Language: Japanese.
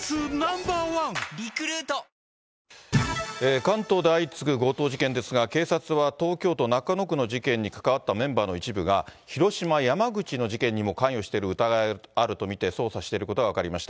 関東で相次ぐ強盗事件ですが、警察は東京都中野区の事件に関わったメンバーの一部が、広島、山口の事件にも関与している疑いがあると見て、捜査していることが分かりました。